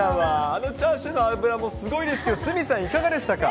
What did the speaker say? あのチャーシューの脂もすごいですけど、鷲見さんいかがでしたか？